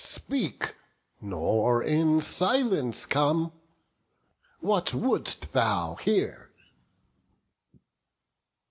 Speak, nor in silence come; what wouldst thou here?"